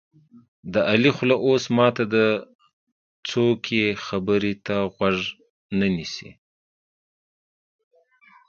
د علي خوله اوس ماته ده څوک یې خبرې ته غوږ نه نیسي.